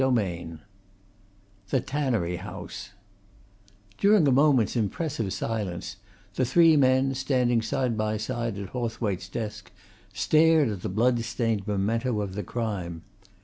CHAPTER III THE TANNERY HOUSE During a moment's impressive silence the three men, standing side by side at Hawthwaite's desk, stared at the blood stained memento of the crime.